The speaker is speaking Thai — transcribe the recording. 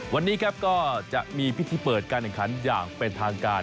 วันนี้ครับก็จะมีพิธีเปิดการแข่งขันอย่างเป็นทางการ